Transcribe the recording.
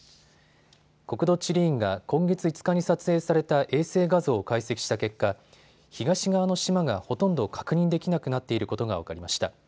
国土地理院が今月５日に撮影された衛星画像を解析した結果、東側の島がほとんど確認できなくなっていることが分かりました。